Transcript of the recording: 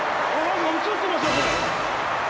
映ってますよこれ。